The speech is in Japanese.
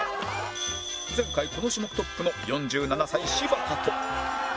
前回この種目トップの４７歳柴田と